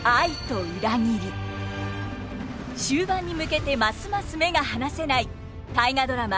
終盤に向けてますます目が離せない大河ドラマ